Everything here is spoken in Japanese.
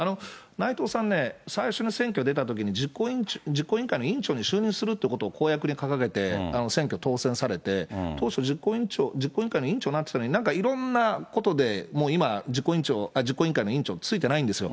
内藤さんね、最初の選挙出たときに、実行委員会の委員長に就任するということを公約に掲げて選挙当選されて、当初、実行委員会の委員長になってたのに、なんかいろんなことで、もう今、実行委員会の委員長に就いてないんですよ。